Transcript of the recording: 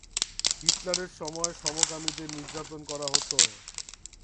হিটলারের সময়ে সমকামীদের নির্যাতন করা হত।